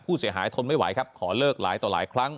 ผู้เสียหายทนไม่ไหวครับขอเลิกหลายต่อหลายครั้ง